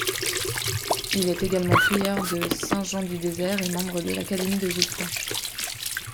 Il est également prieur de Saint-Jean du Désert et membre de l'académie de Villefranche.